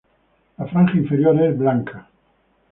La franja inferior es blanca.